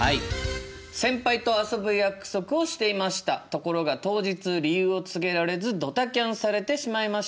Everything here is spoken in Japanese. ところが当日理由を告げられずドタキャンされてしまいました。